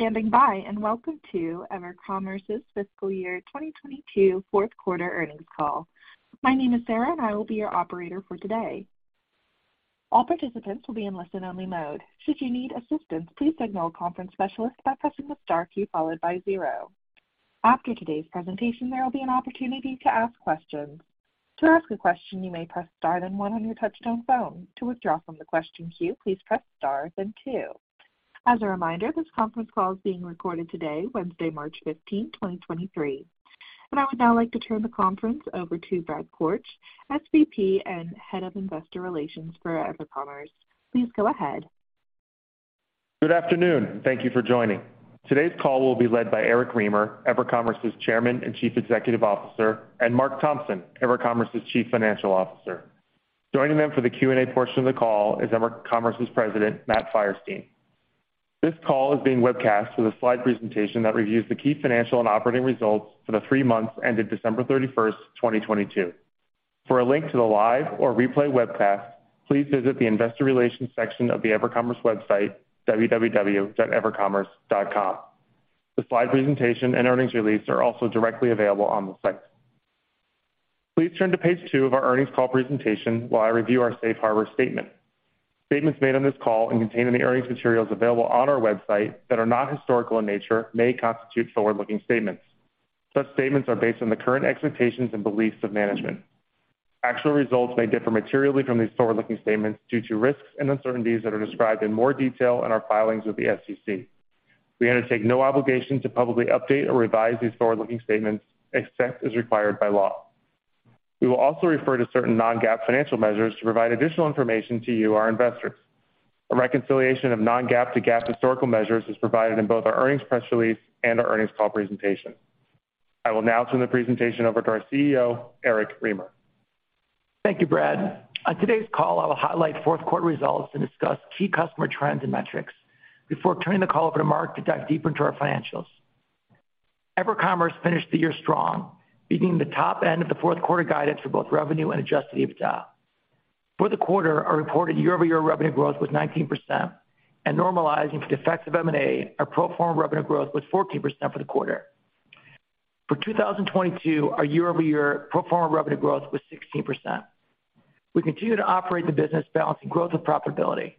Thank you for standing by, and welcome to EverCommerce's fiscal year 2022 fourth quarter earnings call. My name is Sarah, and I will be your operator for today. All participants will be in listen-only mode. Should you need assistance, please signal a conference specialist by pressing the star key followed by zero. After today's presentation, there will be an opportunity to ask questions. To ask a question, you may press star then one on your touchtone phone. To withdraw from the question queue, please press star then two. As a reminder, this conference call is being recorded today, Wednesday, March 15th, 2023. I would now like to turn the conference over to Brad Korch, SVP and Head of Investor Relations for EverCommerce. Please go ahead. Good afternoon, and thank you for joining. Today's call will be led by Eric Remer, EverCommerce's Chairman and Chief Executive Officer, and Marc Thompson, EverCommerce's Chief Financial Officer. Joining them for the Q&A portion of the call is EverCommerce's President, Matt Feierstein. This call is being webcast with a slide presentation that reviews the key financial and operating results for the three months ended December 31, 2022. For a link to the live or replay webcast, please visit the investor relations section of the EverCommerce website, www.evercommerce.com. The slide presentation and earnings release are also directly available on the site. Please turn to page two of our earnings call presentation while I review our safe harbor statement. Statements made on this call and contained in the earnings materials available on our website that are not historical in nature may constitute forward-looking statements. Such statements are based on the current expectations and beliefs of management. Actual results may differ materially from these forward-looking statements due to risks and uncertainties that are described in more detail in our filings with the SEC. We undertake no obligation to publicly update or revise these forward-looking statements except as required by law. We will also refer to certain non-GAAP financial measures to provide additional information to you, our investors. A reconciliation of non-GAAP to GAAP historical measures is provided in both our earnings press release and our earnings call presentation. I will now turn the presentation over to our CEO, Eric Remer. Thank you, Brad. On today's call, I will highlight fourth quarter results and discuss key customer trends and metrics before turning the call over to Mark to dive deeper into our financials. EverCommerce finished the year strong, beating the top end of the fourth quarter guidance for both revenue and adjusted EBITDA. For the quarter, our reported year-over-year revenue growth was 19%, Normalizing for the effects of M&A, our pro forma revenue growth was 14% for the quarter. For 2022, our year-over-year pro forma revenue growth was 16%. We continue to operate the business balancing growth with profitability.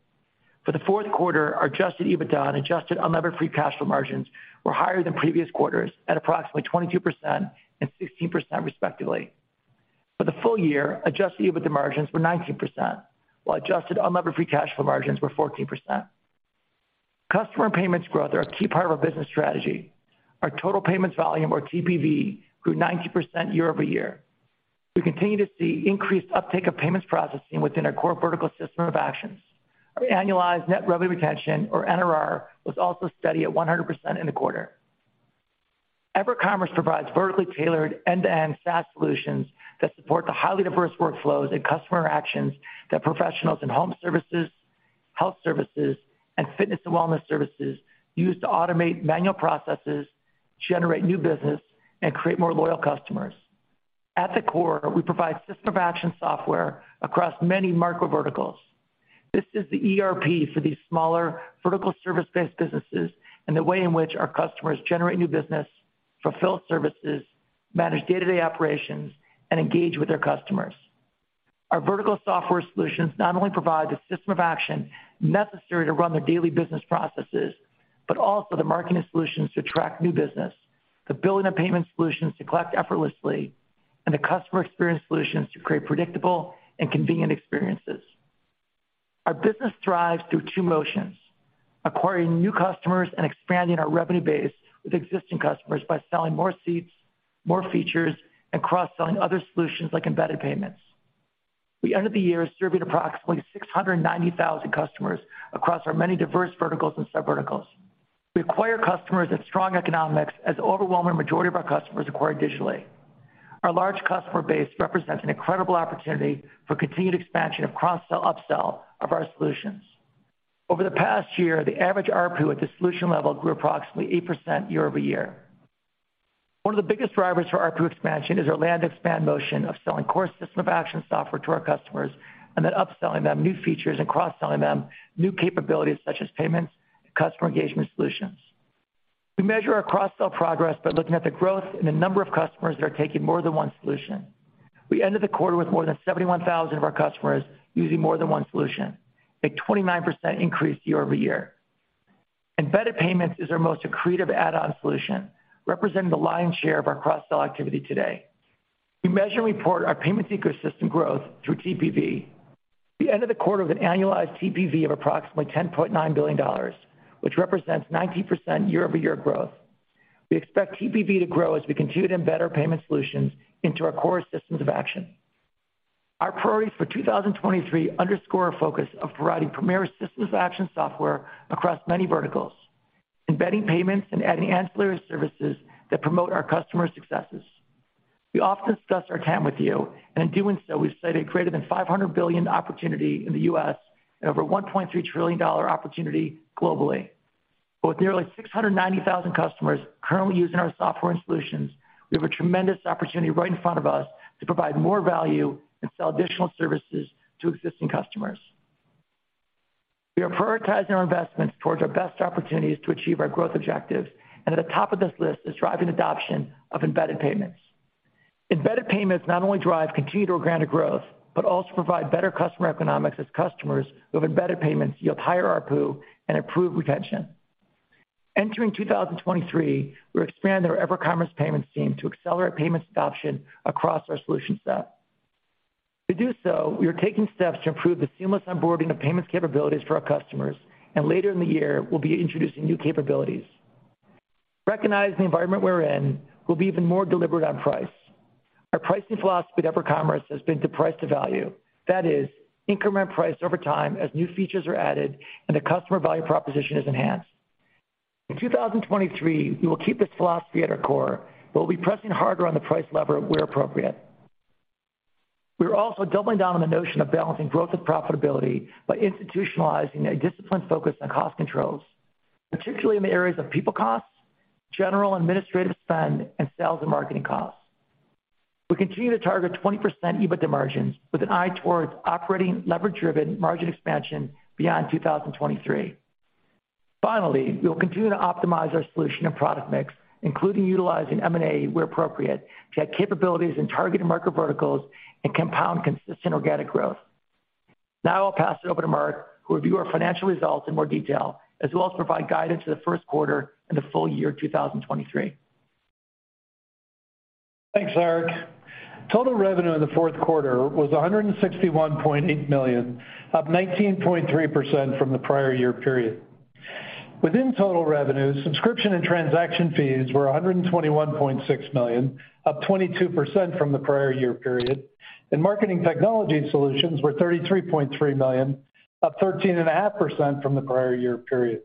For the fourth quarter, our adjusted EBITDA and adjusted unlevered free cash flow margins were higher than previous quarters at approximately 22% and 16% respectively. For the full year, adjusted EBITDA margins were 19%, while adjusted unlevered free cash flow margins were 14%. Customer and payments growth are a key part of our business strategy. Our total payments volume or TPV grew 90% year-over-year. We continue to see increased uptake of payments processing within our core vertical system of action. Our annualized net revenue retention, or NRR, was also steady at 100% in the quarter. EverCommerce provides vertically tailored end-to-end SaaS solutions that support the highly diverse workflows and customer actions that professionals in home services, health services, and fitness and wellness services use to automate manual processes, generate new business, and create more loyal customers. At the core, we provide system of action software across many micro verticals. This is the ERP for these smaller vertical service-based businesses and the way in which our customers generate new business, fulfill services, manage day-to-day operations, and engage with their customers. Our vertical software solutions not only provide the system of action necessary to run their daily business processes, but also the marketing solutions to attract new business, the billing and payment solutions to collect effortlessly, and the customer experience solutions to create predictable and convenient experiences. Our business thrives through two motions: acquiring new customers and expanding our revenue base with existing customers by selling more seats, more features, and cross-selling other solutions like embedded payments. We ended the year serving approximately 690,000 customers across our many diverse verticals and sub-verticals. We acquire customers with strong economics as the overwhelming majority of our customers acquire digitally. Our large customer base represents an incredible opportunity for continued expansion of cross-sell, upsell of our solutions. Over the past year, the average ARPU at the solution level grew approximately 8% year-over-year. One of the biggest drivers for ARPU expansion is our land expand motion of selling core system of action software to our customers and then upselling them new features and cross-selling them new capabilities such as payments and customer engagement solutions. We measure our cross-sell progress by looking at the growth in the number of customers that are taking more than one solution. We ended the quarter with more than 71,000 of our customers using more than one solution, a 29% increase year-over-year. Embedded payments is our most accretive add-on solution, representing the lion's share of our cross-sell activity today. We measure and report our payments ecosystem growth through TPV. We ended the quarter with an annualized TPV of approximately $10.9 billion, which represents 19% year-over-year growth. We expect TPV to grow as we continue to embed our payment solutions into our core systems of action. Our priorities for 2023 underscore our focus of providing premier systems of action software across many verticals, embedding payments, and adding ancillary services that promote our customers' successes. We often discuss our TAM with you, in doing so, we've cited a greater than $500 billion opportunity in the U.S. and over $1.3 trillion opportunity globally. With nearly 690,000 customers currently using our software and solutions. We have a tremendous opportunity right in front of us to provide more value and sell additional services to existing customers. We are prioritizing our investments towards our best opportunities to achieve our growth objectives, and at the top of this list is driving adoption of embedded payments. Embedded payments not only drive continued organic growth, but also provide better customer economics as customers who have embedded payments yield higher ARPU and improved retention. Entering 2023, we're expanding our EverCommerce Payments team to accelerate payments adoption across our solution set. To do so, we are taking steps to improve the seamless onboarding of payments capabilities for our customers, and later in the year, we'll be introducing new capabilities. Recognizing the environment we're in, we'll be even more deliberate on price. Our pricing philosophy at EverCommerce has been to price to value. That is, increment price over time as new features are added and the customer value proposition is enhanced. In 2023, we will keep this philosophy at our core, but we'll be pressing harder on the price lever where appropriate. We're also doubling down on the notion of balancing growth and profitability by institutionalizing a disciplined focus on cost controls, particularly in the areas of people costs, general administrative spend, and sales and marketing costs. We continue to target 20% EBITDA margins with an eye towards operating leverage-driven margin expansion beyond 2023. Finally, we will continue to optimize our solution and product mix, including utilizing M&A where appropriate to add capabilities in targeted market verticals and compound consistent organic growth. Now I'll pass it over to Marc, who'll review our financial results in more detail, as well as provide guidance to the first quarter and the full year 2023. Thanks, Eric. Total revenue in the fourth quarter was $161.8 million, up 19.3% from the prior year period. Within total revenue, subscription and transaction fees were $121.6 million, up 22% from the prior year period, and marketing technology solutions were $33.3 million, up 13.5% from the prior year period.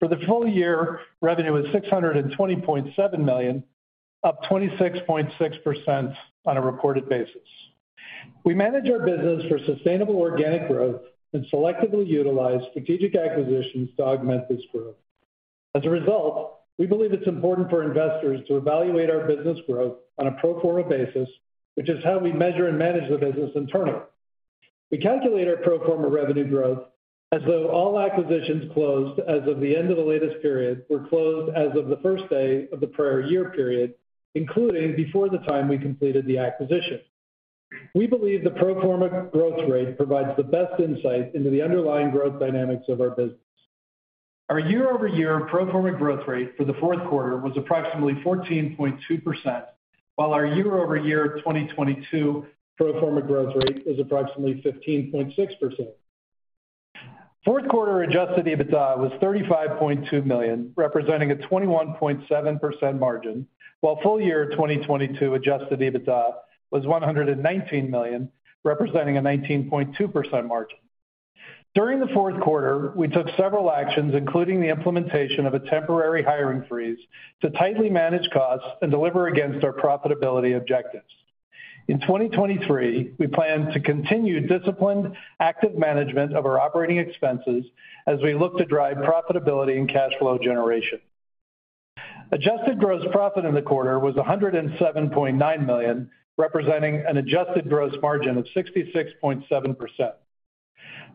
For the full year, revenue was $620.7 million, up 26.6% on a reported basis. We manage our business for sustainable organic growth and selectively utilize strategic acquisitions to augment this growth. As a result, we believe it's important for investors to evaluate our business growth on a pro forma basis, which is how we measure and manage the business internally. We calculate our pro forma revenue growth as though all acquisitions closed as of the end of the latest period were closed as of the first day of the prior year period, including before the time we completed the acquisition. We believe the pro forma growth rate provides the best insight into the underlying growth dynamics of our business. Our year-over-year pro forma growth rate for the fourth quarter was approximately 14.2%, while our year-over-year 2022 pro forma growth rate was approximately 15.6%. Fourth quarter adjusted EBITDA was $35.2 million, representing a 21.7% margin, while full year 2022 adjusted EBITDA was $119 million, representing a 19.2% margin. During the fourth quarter, we took several actions, including the implementation of a temporary hiring freeze, to tightly manage costs and deliver against our profitability objectives. In 2023, we plan to continue disciplined active management of our operating expenses as we look to drive profitability and cash flow generation. Adjusted gross profit in the quarter was $107.9 million, representing an adjusted gross margin of 66.7%.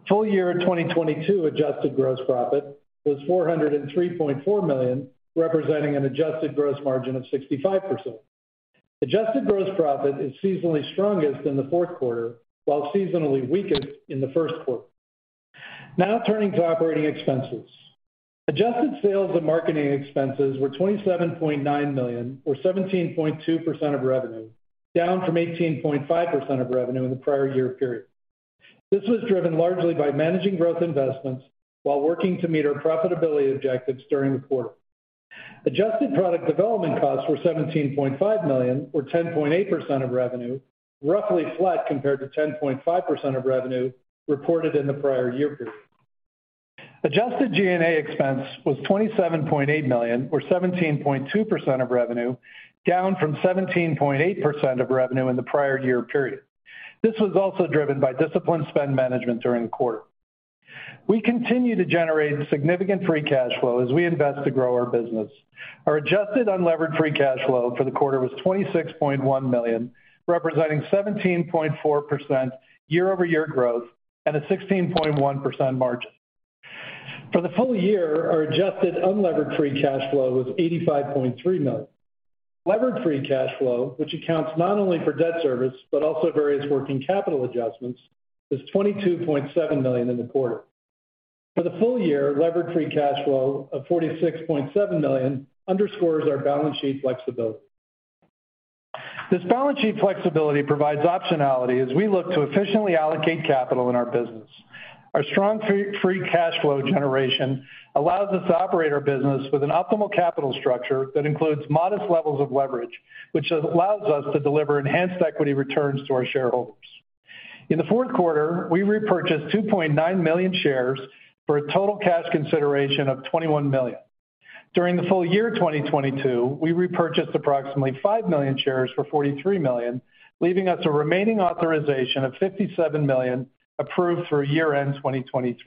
Full year 2022 adjusted gross profit was $403.4 million, representing an adjusted gross margin of 65%. Adjusted gross profit is seasonally strongest in the fourth quarter, while seasonally weakest in the first quarter. Turning to operating expenses. Adjusted sales and marketing expenses were $27.9 million, or 17.2% of revenue, down from 18.5% of revenue in the prior year period. This was driven largely by managing growth investments while working to meet our profitability objectives during the quarter. Adjusted product development costs were $17.5 million or 10.8% of revenue, roughly flat compared to 10.5% of revenue reported in the prior year period. Adjusted G&A expense was $27.8 million or 17.2% of revenue, down from 17.8% of revenue in the prior year period. This was also driven by disciplined spend management during the quarter. We continue to generate significant free cash flow as we invest to grow our business. Our adjusted unlevered free cash flow for the quarter was $26.1 million, representing 17.4% year-over-year growth and a 16.1% margin. For the full year, our adjusted unlevered free cash flow was $85.3 million. Levered free cash flow, which accounts not only for debt service, but also various working capital adjustments, was $22.7 million in the quarter. For the full year, levered free cash flow of $46.7 million underscores our balance sheet flexibility. This balance sheet flexibility provides optionality as we look to efficiently allocate capital in our business. Our strong free cash flow generation allows us to operate our business with an optimal capital structure that includes modest levels of leverage, which allows us to deliver enhanced equity returns to our shareholders. In the fourth quarter, we repurchased 2.9 million shares for a total cash consideration of $21 million. During the full year 2022, we repurchased approximately 5 million shares for $43 million, leaving us a remaining authorization of $57 million approved through year-end 2023.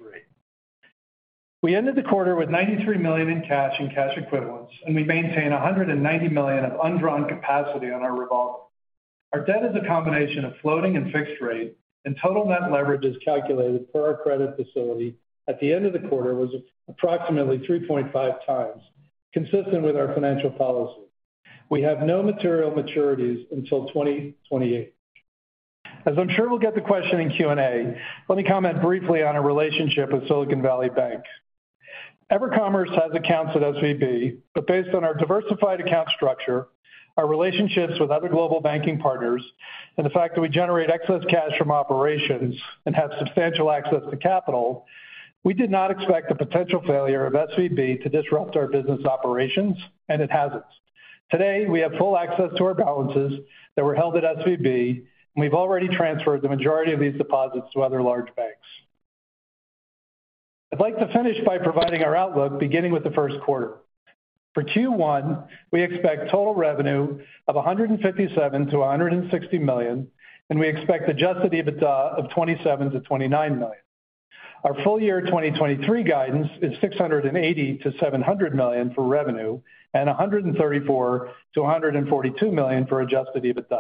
We ended the quarter with $93 million in cash and cash equivalents. We maintain $190 million of undrawn capacity on our revolver. Our debt is a combination of floating and fixed rate. Total net leverage is calculated per our credit facility at the end of the quarter was approximately 3.5 times, consistent with our financial policy. We have no material maturities until 2028. As I'm sure we'll get the question in Q&A, let me comment briefly on our relationship with Silicon Valley Bank. EverCommerce has accounts at SVB, based on our diversified account structure, our relationships with other global banking partners, and the fact that we generate excess cash from operations and have substantial access to capital, we did not expect the potential failure of SVB to disrupt our business operations, and it hasn't. Today, we have full access to our balances that were held at SVB, and we've already transferred the majority of these deposits to other large banks. I'd like to finish by providing our outlook beginning with the first quarter. For Q1, we expect total revenue of $157 million-$160 million, and we expect adjusted EBITDA of $27 million-$29 million. Our full year 2023 guidance is $680 million-$700 million for revenue and $134 million-$142 million for adjusted EBITDA.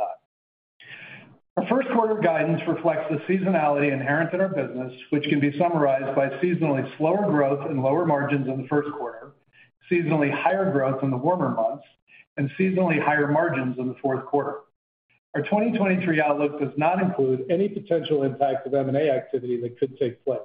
Our first quarter guidance reflects the seasonality inherent in our business, which can be summarized by seasonally slower growth and lower margins in the first quarter, seasonally higher growth in the warmer months, and seasonally higher margins in the fourth quarter. Our 2023 outlook does not include any potential impact of M&A activity that could take place.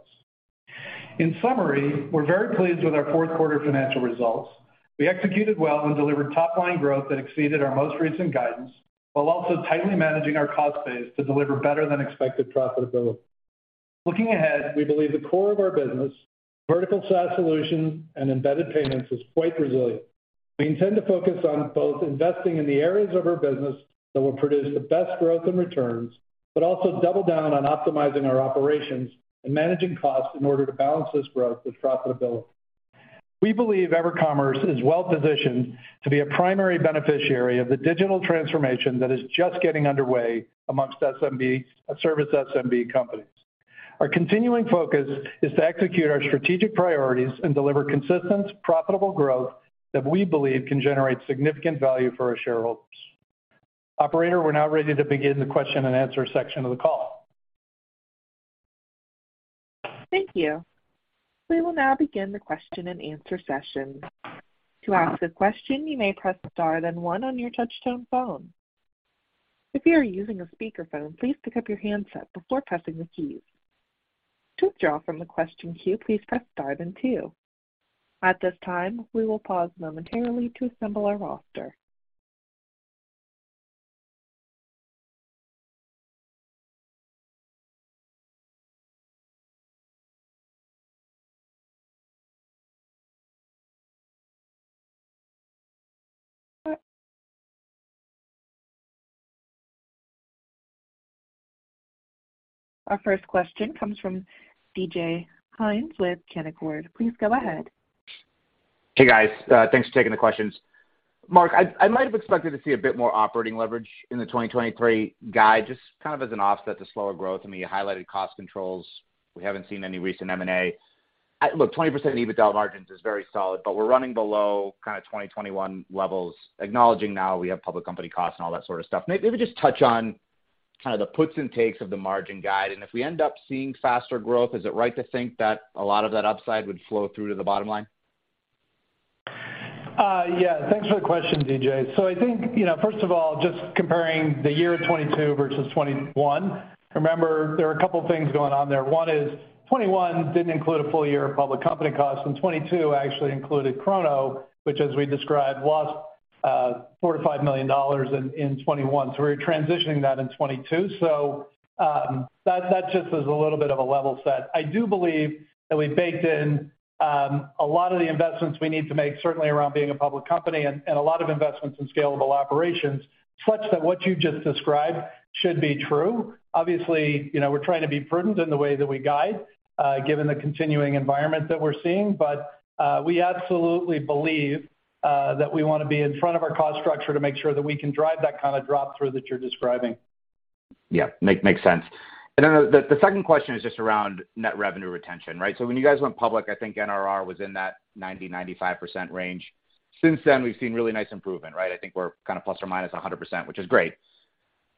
In summary, we're very pleased with our fourth quarter financial results. We executed well and delivered top-line growth that exceeded our most recent guidance, while also tightly managing our cost base to deliver better than expected profitability. Looking ahead, we believe the core of our business, vertical SaaS solutions and embedded payments, is quite resilient. We intend to focus on both investing in the areas of our business that will produce the best growth and returns, but also double down on optimizing our operations and managing costs in order to balance this growth with profitability. We believe EverCommerce is well-positioned to be a primary beneficiary of the digital transformation that is just getting underway amongst service SMB companies. Our continuing focus is to execute our strategic priorities and deliver consistent, profitable growth that we believe can generate significant value for our shareholders. Operator, we're now ready to begin the question-and-answer section of the call. Thank you. We will now begin the question-and-answer session. To ask a question, you may press star then one on your touch tone phone. If you are using a speakerphone, please pick up your handset before pressing the keys. To withdraw from the question queue, please press star then two. At this time, we will pause momentarily to assemble our roster. Our first question comes from DJ Hynes with Canaccord. Please go ahead. Hey, guys. Thanks for taking the questions. Marc, I might have expected to see a bit more operating leverage in the 2023 guide, just kinda as an offset to slower growth. I mean, you highlighted cost controls. We haven't seen any recent M&A. Look, 20% EBITDA margins is very solid, but we're running below kinda 2021 levels, acknowledging now we have public company costs and all that sort of stuff. Maybe just touch on kinda the puts and takes of the margin guide, and if we end up seeing faster growth, is it right to think that a lot of that upside would flow through to the bottom line? Yeah. Thanks for the question, DJ. I think, you know, first of all, just comparing the year 22 versus 21, remember there are a couple things going on there. One is 21 didn't include a full year of public company costs, and 22 actually included DrChrono, which as we described, lost $4 million-$5 million in 21, so we were transitioning that in 22. That just is a little bit of a level set. I do believe that we baked in a lot of the investments we need to make certainly around being a public company and a lot of investments in scalable operations, such that what you just described should be true. Obviously, you know, we're trying to be prudent in the way that we guide, given the continuing environment that we're seeing, but we absolutely believe that we wanna be in front of our cost structure to make sure that we can drive that kinda drop through that you're describing. Yeah. Make, makes sense. The second question is just around net revenue retention, right? When you guys went public, I think NRR was in that 90%-95% range. Since then, we've seen really nice improvement, right? I think we're kinda plus or minus 100%, which is great.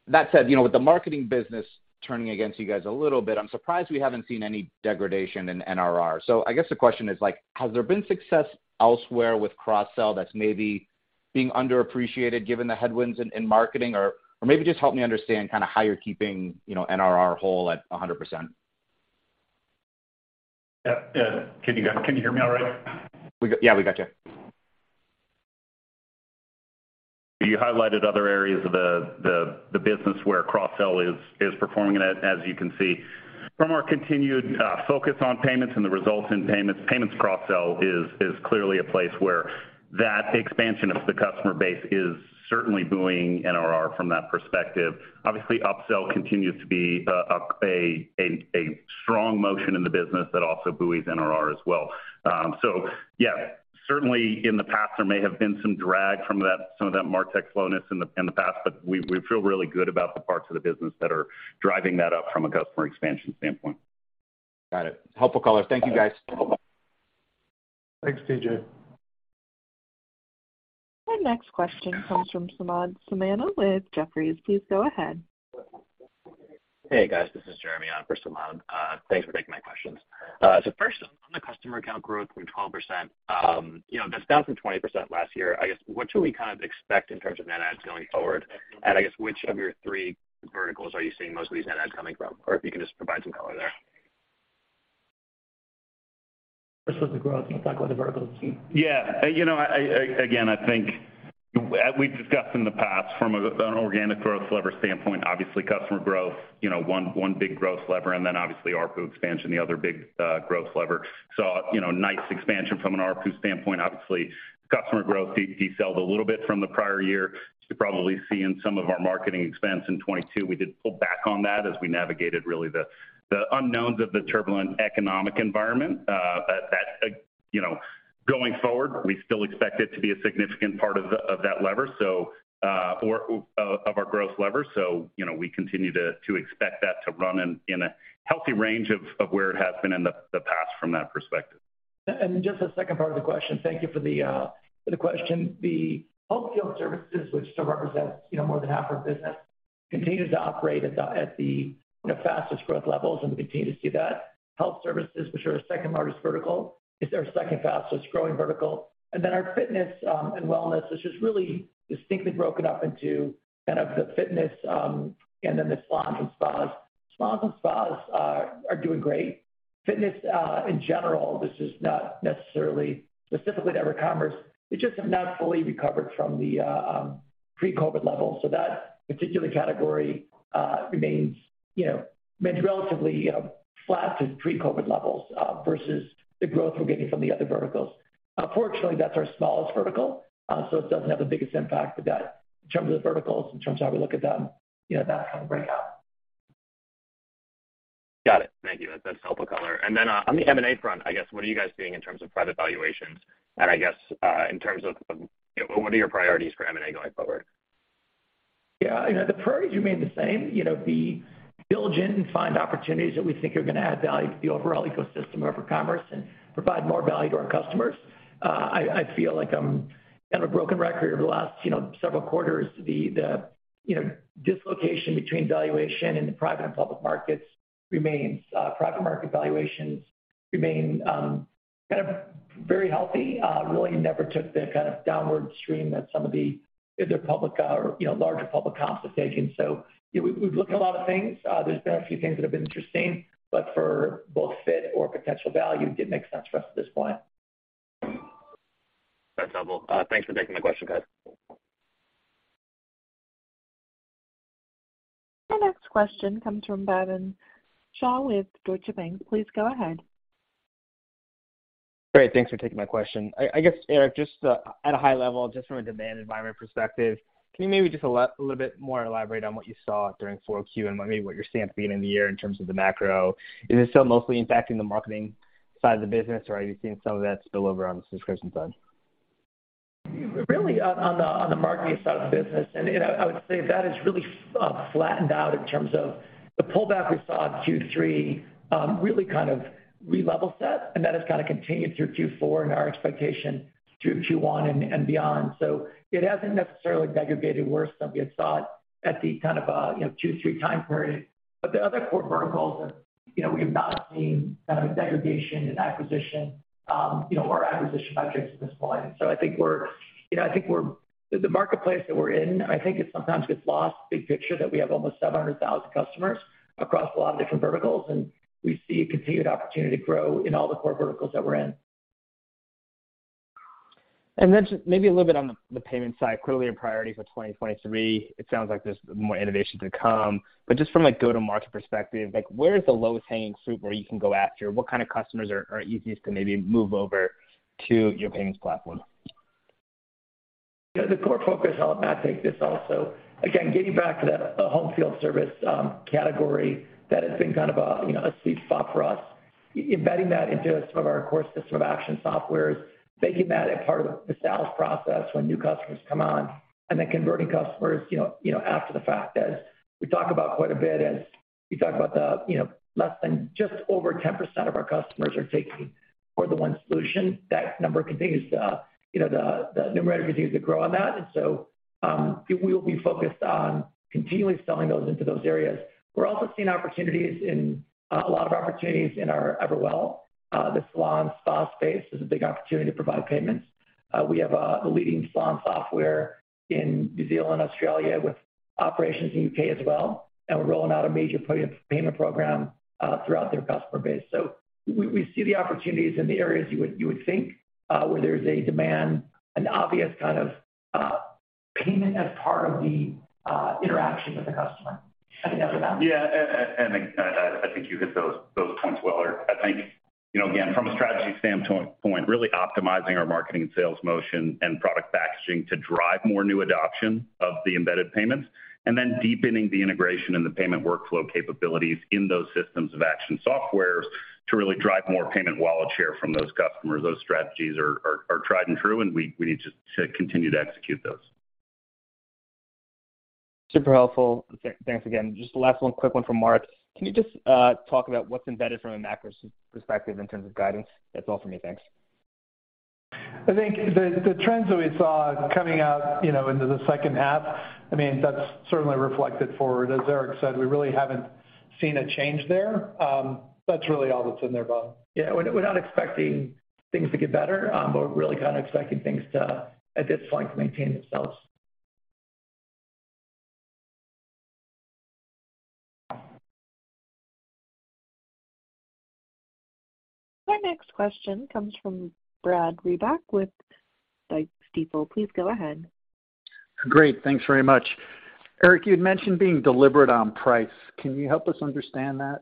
That said, you know, with the marketing business turning against you guys a little bit, I'm surprised we haven't seen any degradation in NRR. I guess the question is, like, has there been success elsewhere with cross-sell that's maybe being underappreciated given the headwinds in marketing? Maybe just help me understand kinda how you're keeping, you know, NRR whole at 100%. Yeah. Yeah. Can you hear me all right? Yeah, we got you. You highlighted other areas of the business where cross-sell is performing, as you can see. From our continued focus on payments and the results in payments cross-sell is clearly a place where that expansion of the customer base is certainly buoying NRR from that perspective. Obviously, upsell continues to be a strong motion in the business that also buoys NRR as well. Yeah, certainly in the past there may have been some drag from some of that Martech slowness in the past, but we feel really good about the parts of the business that are driving that up from a customer expansion standpoint. Got it. Helpful color. Thank you, guys. Thanks, DJ. Our next question comes from Samad Samana with Jefferies. Please go ahead. Hey, guys. This is Jeremy on for Samad. Thanks for taking my questions. First on the customer account growth from 12%, you know, that's down from 20% last year. I guess, what should we kind of expect in terms of net adds going forward? I guess which of your three verticals are you seeing most of these net adds coming from? If you can just provide some color there. As for the growth, we'll talk about the verticals. Yeah. You know, again, I think as we've discussed in the past from an organic growth lever standpoint, obviously customer growth, you know, one big growth lever, then obviously ARPU expansion, the other big growth lever. You know, nice expansion from an ARPU standpoint. Obviously, customer growth decelled a little bit from the prior year. As you probably see in some of our marketing expense in 2022, we did pull back on that as we navigated really the unknowns of the turbulent economic environment. That, you know, going forward, we still expect it to be a significant part of that lever, or of our growth lever. You know, we continue to expect that to run in a healthy range of where it has been in the past from that perspective. Just the second part of the question. Thank you for the question. The home field services, which still represents, you know, more than half our business, continues to operate at the fastest growth levels, and we continue to see that. Health services, which are our second-largest vertical, is our second fastest-growing vertical. Then our fitness and wellness, which is really distinctly broken up into kind of the fitness and then the salons and spas. Salons and spas are doing great. Fitness, in general, this is not necessarily specifically to EverCommerce, they just have not fully recovered from the pre-COVID levels. That particular category remains, you know, remains relatively flat to pre-COVID levels versus the growth we're getting from the other verticals. Fortunately, that's our smallest vertical, so it doesn't have the biggest impact. That, in terms of the verticals, in terms of how we look at them, you know, that kind of breakout. Got it. Thank you. That's helpful color. On the M&A front, I guess, what are you guys seeing in terms of private valuations, and I guess, in terms of, you know, what are your priorities for M&A going forward? Yeah. You know, the priorities remain the same. You know, be diligent and find opportunities that we think are gonna add value to the overall ecosystem of EverCommerce and provide more value to our customers. I feel like I'm kind of a broken record over the last, you know, several quarters. The, you know, dislocation between valuation in the private and public markets remains. Private market valuations remain, kind of very healthy. Really never took the kind of downward stream that some of the either public or, you know, larger public comps have taken. You know, we've looked at a lot of things. There's been a few things that have been interesting, but for both fit or potential value, didn't make sense for us at this point. That's helpful. Thanks for taking the question, guys. Our next question comes from Bhavin Shah with Deutsche Bank. Please go ahead. Great. Thanks for taking my question. I guess, Eric, just at a high level, just from a demand environment perspective, can you maybe just a little bit more elaborate on what you saw during four Q and maybe what you're seeing at the end of the year in terms of the macro? Is it still mostly impacting the marketing side of the business, or are you seeing some of that spill over on the subscription side? Really on the, on the marketing side of the business. You know, I would say that has really flattened out in terms of the pullback we saw in Q3, really kind of re-leveled set. That has kind of continued through Q4 and our expectation through Q1 and beyond. It hasn't necessarily degraded worse than we had thought at the kind of, you know, Q3 time period. The other core verticals are, you know, we have not seen kind of a degradation in acquisition, you know, or acquisition metrics at this point. I think we're, you know. The marketplace that we're in, I think it sometimes gets lost, big picture, that we have almost 700,000 customers across a lot of different verticals. We see a continued opportunity to grow in all the core verticals that we're in. Just maybe a little bit on the payment side, clearly a priority for 2023. It sounds like there's more innovation to come. Just from a go-to-market perspective, like, where is the lowest hanging fruit where you can go after? What kind of customers are easiest to maybe move over to your payments platform? The core focus, I'll let Matt take this also. Again, getting back to the home field service category, that has been kind of a, you know, a sweet spot for us. Embedding that into some of our core system of action softwares, making that a part of the sales process when new customers come on, and then converting customers, you know, after the fact. As we talk about quite a bit, as we talk about the, you know, less than just over 10% of our customers are taking more than one solution. That number continues to, you know, the numerator continues to grow on that. We will be focused on continually selling those into those areas. We're also seeing a lot of opportunities in our EverWell. The salon spa space is a big opportunity to provide payments. We have the leading salon software in New Zealand, Australia, with operations in UK as well, and we're rolling out a major payment program throughout their customer base. We see the opportunities in the areas you would think, where there's a demand, an obvious kind of payment as part of the interaction with the customer. Anything to add to that? Yeah. And I think you hit those points well, Eric. I think, you know, again, from a strategy standpoint, really optimizing our marketing and sales motion and product packaging to drive more new adoption of the embedded payments, and then deepening the integration and the payment workflow capabilities in those systems of action softwares to really drive more payment wallet share from those customers. Those strategies are tried and true, and we need to continue to execute those. Super helpful. Thanks again. Just last one, quick one from Marc. Can you just talk about what's embedded from a macro perspective in terms of guidance? That's all for me. Thanks. I think the trends that we saw coming out, you know, into the second half, I mean, that's certainly reflected forward. As Eric said, we really haven't seen a change there. That's really all that's in there, Bob. Yeah. We're not expecting things to get better. We're really kind of expecting things to, at this point, maintain themselves. Our next question comes from Brad Reback with Stifel. Please go ahead. Great. Thanks very much. Eric, you'd mentioned being deliberate on price. Can you help us understand that?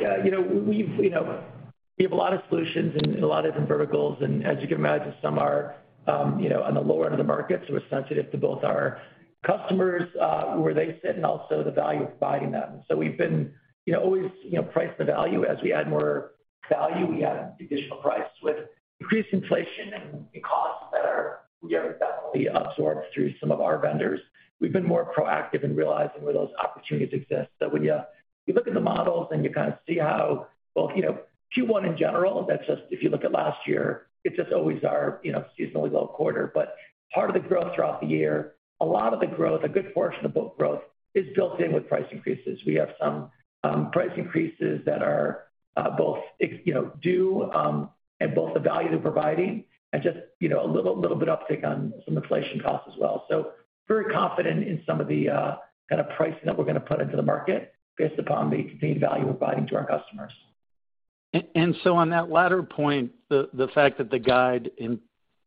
Yeah. You know, we've, you know, we have a lot of solutions in a lot of different verticals, and as you can imagine, some are, you know, on the lower end of the market. We've been, you know, always, you know, priced to value. As we add more value, we add additional price. With increased inflation and costs that are, you know, definitely absorbed through some of our vendors, we've been more proactive in realizing where those opportunities exist. When you look in the models and you kind of see how, you know, Q1 in general, that's just, if you look at last year, it's just always our, you know, seasonally low quarter. Part of the growth throughout the year, a lot of the growth, a good portion of both growth is built in with price increases. We have some price increases that are, you know, due, and both the value they're providing and just, you know, a little bit uptick on some inflation costs as well. Very confident in some of the kind of pricing that we're gonna put into the market based upon the continued value we're providing to our customers. On that latter point, the fact that the guide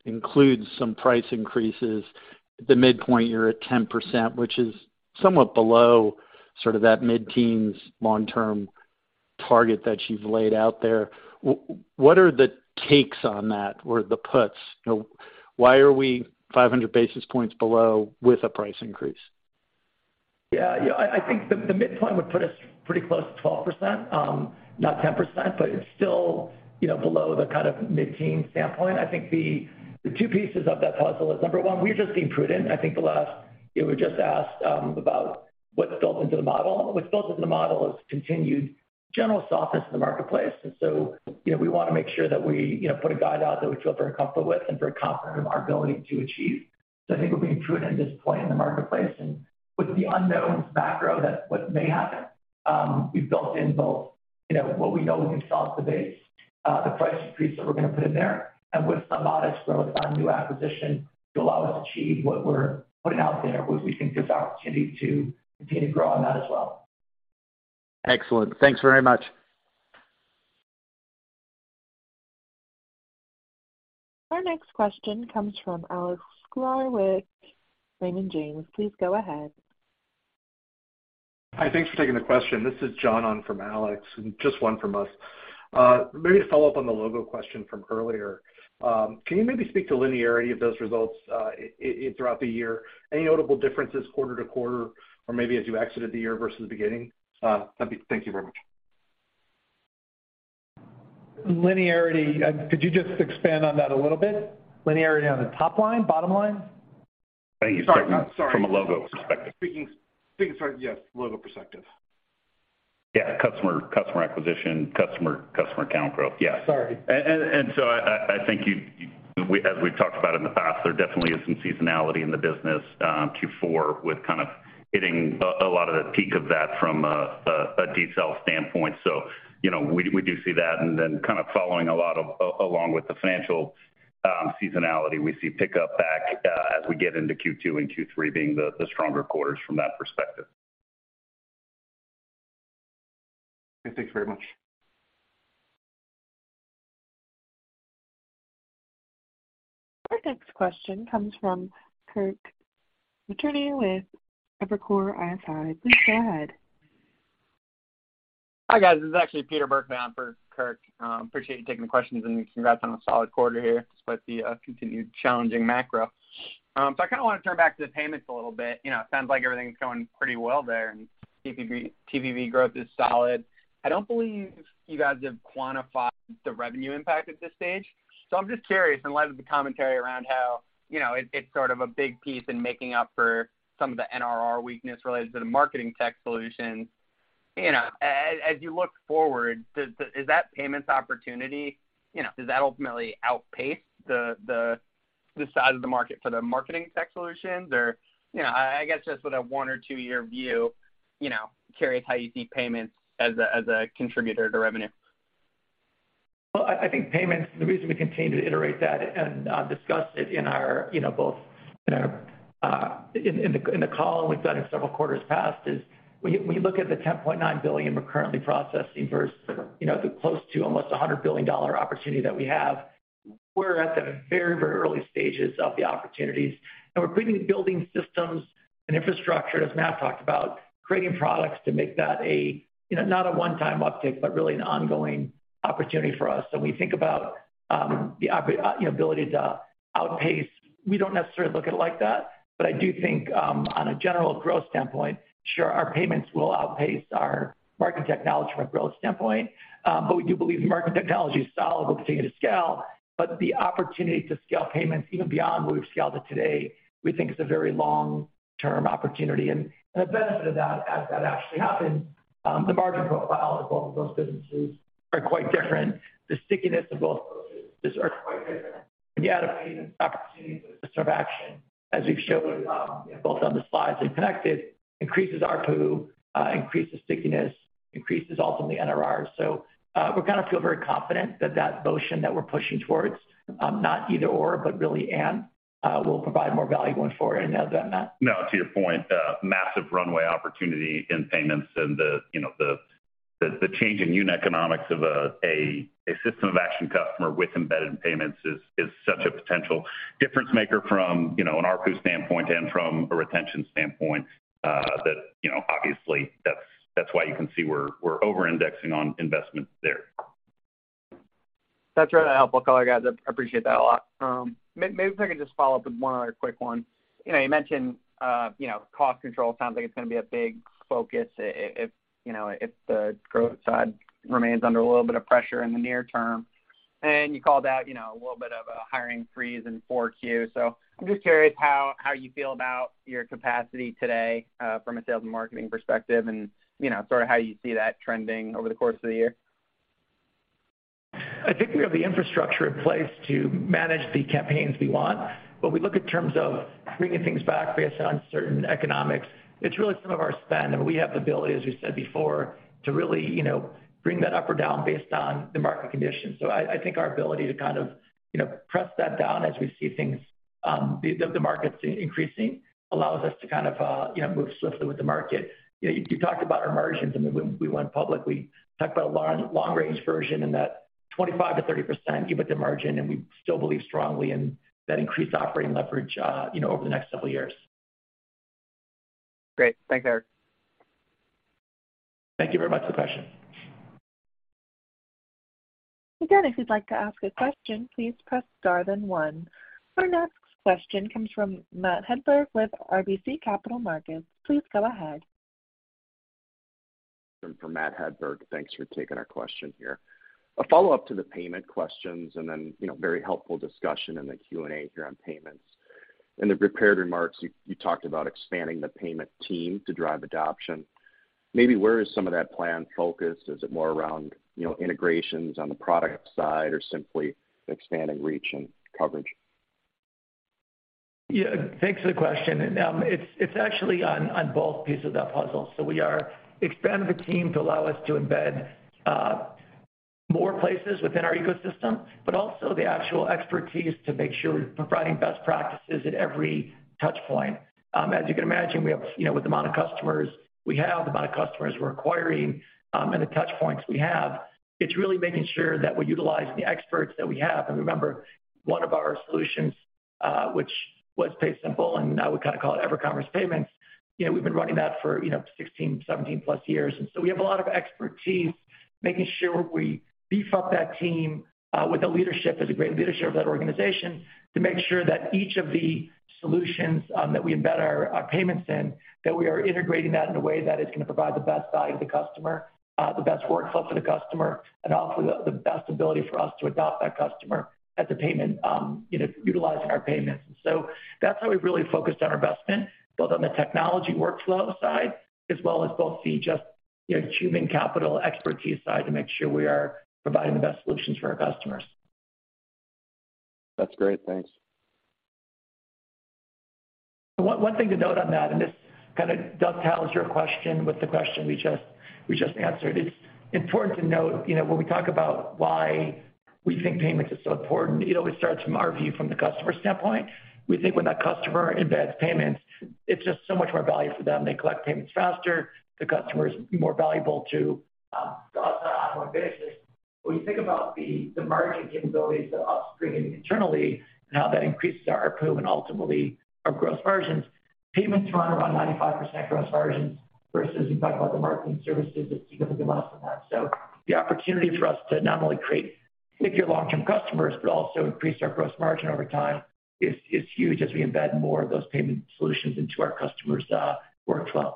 includes some price increases, the midpoint, you're at 10%, which is somewhat below sort of that mid-teens long-term target that you've laid out there. What are the takes on that or the puts? You know, why are we 500 basis points below with a price increase? Yeah. I think the midpoint would put us pretty close to 12%, not 10%, but it's still, you know, below the kind of mid-teen standpoint. I think the two pieces of that puzzle is, number one, we're just being prudent. You know, we just asked about what's built into the model. What's built in the model is continued general softness in the marketplace. you know, we wanna make sure that we, you know, put a guide out that we feel very comfortable with and very confident in our ability to achieve. I think we're being prudent at this point in the marketplace. With the unknowns macro that what may happen, we've built in both, you know, what we know is a softer base, the price increase that we're gonna put in there, and with some modest growth on new acquisition to allow us to achieve what we're putting out there, which we think there's opportunity to continue to grow on that as well. Excellent. Thanks very much. Our next question comes from Alexander Sklar, Raymond James. Please go ahead. Hi. Thanks for taking the question. This is John on from Alex, and just one from us. Maybe to follow up on the logo question from earlier. Can you maybe speak to linearity of those results, throughout the year? Any notable differences quarter to quarter or maybe as you exited the year versus the beginning? That'd be... Thank you very much. Linearity, could you just expand on that a little bit? Linearity on the top line, bottom line? I think he's talking.. Sorry. From a logo perspective. Speaking... Sorry, yes, logo perspective. Yeah. Customer acquisition, customer account growth. Yeah. Sorry. I think we as we've talked about in the past, there definitely is some seasonality in the business, Q4 with kind of hitting a lot of the peak of that from a detail standpoint. You know, we do see that. Then kind of following a lot of along with the financial seasonality, we see pickup back as we get into Q2 and Q3 being the stronger quarters from that perspective. Okay. Thanks very much. Our next question comes from Kirk Materne with Evercore ISI. Please go ahead. Hi, guys. This is actually Peter Burkly for Kirk. Appreciate you taking the questions, and congrats on a solid quarter here, despite the continued challenging macro. I kinda wanna turn back to the payments a little bit. You know, it sounds like everything's going pretty well there, and TPV growth is solid. I don't believe you guys have quantified the revenue impact at this stage. I'm just curious, in light of the commentary around how, you know, it's sort of a big piece in making up for some of the NRR weakness related to the marketing tech solutions. You know, as you look forward, is that payments opportunity, you know, does that ultimately outpace the size of the market for the marketing tech solutions? you know, I guess just with a one or two-year view, you know, curious how you see payments as a, as a contributor to revenue. Well, I think payments, the reason we continue to iterate that and discuss it in our, you know, both in our call and we've done in several quarters past is we look at the $10.9 billion we're currently processing versus, you know, the close to almost a $100 billion opportunity that we have. We're at the very, very early stages of the opportunities, and we're building systems and infrastructure, as Matt talked about, creating products to make that a, you know, not a one-time uptick, but really an ongoing opportunity for us. So we think about, you know, ability to outpace. We don't necessarily look at it like that, but I do think on a general growth standpoint, sure, our payments will outpace our market technology from a growth standpoint. We do believe Martech is solid, will continue to scale. The opportunity to scale payments even beyond where we've scaled it today, we think is a very long-term opportunity. The benefit of that, as that actually happens, the margin profile of both of those businesses are quite different. The stickiness of both. This is Eric Remer here. Again, I believe opportunity with a system of action, as we've showed, both on the slides and connected, increases ARPU, increases stickiness, increases ultimately NRR. We kind of feel very confident that that motion that we're pushing towards, not either/or, but really and, will provide more value going forward. Now to you, Matt. No, to your point, massive runway opportunity in payments and the, you know, the change in unit economics of a system of action customer with embedded payments is such a potential difference maker from, you know, an ARPU standpoint and from a retention standpoint, that, you know, obviously that's why you can see we're over-indexing on investments there. That's really helpful, guys. I appreciate that a lot. Maybe if I could just follow up with one other quick one. You know, you mentioned, you know, cost control sounds like it's gonna be a big focus if, you know, if the growth side remains under a little bit of pressure in the near term. You called out, you know, a little bit of a hiring freeze in 4Q. I'm just curious how you feel about your capacity today from a sales and marketing perspective and, you know, sort of how you see that trending over the course of the year. I think we have the infrastructure in place to manage the campaigns we want. When we look in terms of bringing things back based on certain economics, it's really some of our spend, and we have the ability, as we said before, to really, you know, bring that up or down based on the market conditions. I think our ability to kind of, you know, press that down as we see things, the markets increasing allows us to kind of, you know, move swiftly with the market. You know, you talked about our margins. When we went public, we talked about a long range version and that 25%-30% EBITDA margin. We still believe strongly in that increased operating leverage, you know, over the next several years. Great. Thanks, Eric. Thank you very much for the question. If you'd like to ask a question, please press Star then one. Our next question comes from Matt Hedberg with RBC Capital Markets. Please go ahead. From Matt Hedberg. Thanks for taking our question here. A follow-up to the payment questions and then, you know, very helpful discussion in the Q&A here on payments. In the prepared remarks, you talked about expanding the payment team to drive adoption. Maybe where is some of that plan focused? Is it more around, you know, integrations on the product side or simply expanding reach and coverage? Yeah. Thanks for the question. It's actually on both pieces of that puzzle. We are expanding the team to allow us to embed more places within our ecosystem, but also the actual expertise to make sure we're providing best practices at every touch point. As you can imagine, we have, you know, with the amount of customers we have, the amount of customers we're acquiring, and the touch points we have, it's really making sure that we're utilizing the experts that we have. Remember, one of our solutions, which was PaySimple, and now we kind of call it EverCommerce Payments, you know, we've been running that for, you know, 16, 17 plus years. We have a lot of expertise making sure we beef up that team with the leadership. There's a great leadership of that organization to make sure that each of the solutions, that we embed our payments in, that we are integrating that in a way that is gonna provide the best value to the customer, the best workflow for the customer, and also the best ability for us to adopt that customer at the payment, you know, utilizing our payments. That's how we really focused our investment, both on the technology workflow side as well as both the just, you know, human capital expertise side to make sure we are providing the best solutions for our customers. That's great. Thanks. One thing to note on that. This kind dovetails your question with the question we just answered. It's important to note, you know, when we talk about why we think payments is so important, it always starts from our view from the customer standpoint. We think when that customer embeds payments, it's just so much more value for them. They collect payments faster, the customer's more valuable to us on an ongoing basis. When you think about the margin capabilities of upstream internally and how that increases our ARPU and ultimately our gross margins, payments run around 95% gross margins versus you talk about the marketing services, it's significantly less than that. The opportunity for us to not only create bigger long-term customers, but also increase our gross margin over time is huge as we embed more of those payment solutions into our customers' workflow.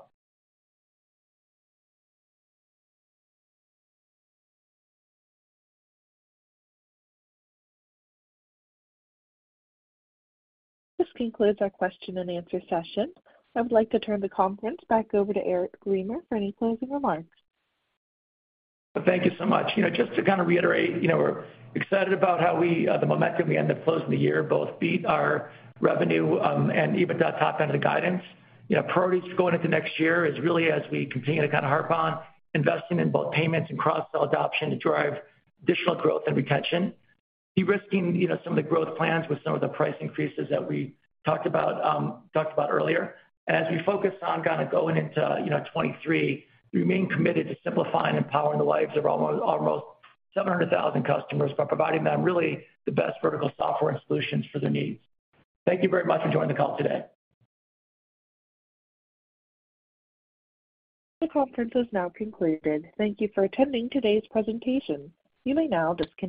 This concludes our question and answer session. I would like to turn the conference back over to Eric Remer for any closing remarks. Thank you so much. You know, just to kind of reiterate, you know, we're excited about how we the momentum we had to close in the year both beat our revenue and EBITDA top end of the guidance. You know, priorities going into next year is really as we continue to kind of harp on investing in both payments and cross-sell adoption to drive additional growth and retention. De-risking, you know, some of the growth plans with some of the price increases that we talked about earlier. As we focus on kind of going into, you know, 2023, we remain committed to simplifying and powering the lives of almost 700,000 customers by providing them really the best vertical software and solutions for their needs. Thank you very much for joining the call today. The conference has now concluded. Thank you for attending today's presentation. You may now disconnect.